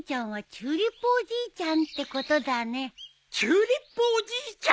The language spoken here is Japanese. チューリップおじいちゃん。